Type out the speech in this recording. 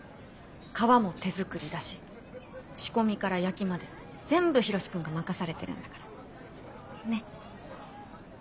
皮も手作りだし仕込みから焼きまで全部ヒロシ君が任されてるんだから。ね？